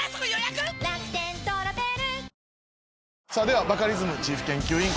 ではバカリズムチーフ研究員